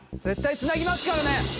絶対つなぎますからね！